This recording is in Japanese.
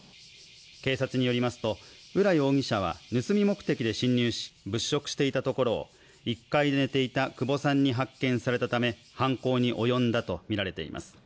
警察によりますと浦容疑者は盗み目的で侵入し物色していたところ１階で寝ていた久保さんに発見されたため犯行に及んだと見られています